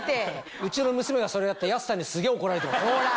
うちの娘がそれやったら安さんにすげぇ怒られてますよ。